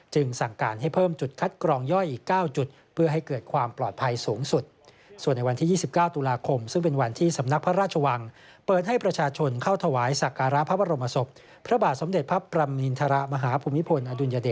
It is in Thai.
จึงสั่งการให้เพิ่มจุดคัดกรองย่อยอีก๙จุด